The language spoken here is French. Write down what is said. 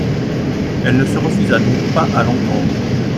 Elle ne se refusa donc pas à l’entendre.